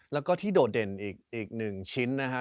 และก็ที่โดดเด่นอีก๑ชิ้นนะฮะ